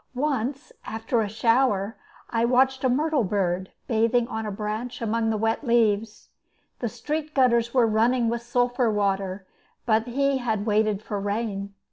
Once, after a shower, I watched a myrtle bird bathing on a branch among the wet leaves. The street gutters were running with sulphur water, but he had waited for rain.